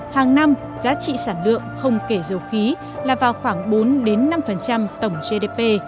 hàng năm giá trị sản lượng không kể dầu khí là vào khoảng bốn năm tổng gdp